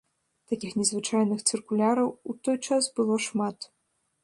Такіх незвычайных цыркуляраў у той час было шмат.